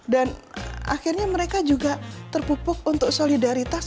dan akhirnya mereka juga terpupuk untuk solidaritas